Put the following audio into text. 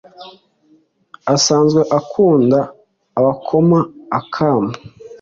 asanzwe akunda abakoma akamu